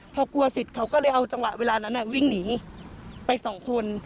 พอกลัวเสร็จเขาก็เลยเอาจังหวะเวลานั้นวิ่งหนีไปสองคน